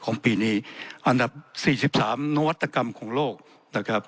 ปีนี้อันดับ๔๓นวัตกรรมของโลกนะครับ